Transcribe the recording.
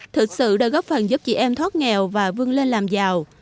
thực sự đã góp phần giúp chị em thoát nghèo và vươn lên làm giàu